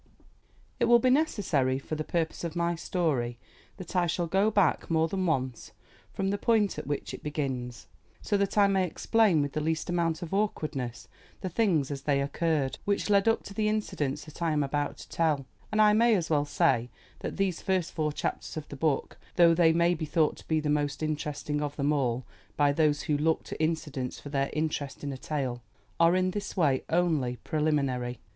It will be necessary, for the purpose of my story, that I shall go back more than once from the point at which it begins, so that I may explain with the least amount of awkwardness the things as they occurred, which led up to the incidents that I am about to tell; and I may as well say that these first four chapters of the book though they may be thought to be the most interesting of them all by those who look to incidents for their interest in a tale are in this way only preliminary.